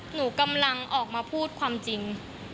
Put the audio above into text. หนูกำลังออกมาพูดความจริง